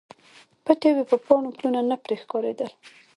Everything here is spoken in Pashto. پټې وې په پاڼو، پلونه نه پرې ښکاریدل